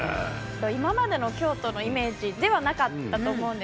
今までの京都のイメージではなかったと思うんですね。